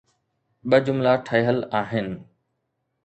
ٻه جملا ٺهيل آهن.